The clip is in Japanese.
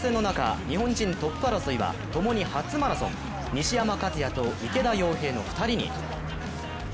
そんな混戦の中日本人トップ争いは共に初マラソン、西山和弥と池田耀平の２人に。